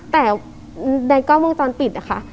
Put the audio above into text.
แต่ในกล้องวงจรปิดนะคะ